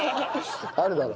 あるだろ。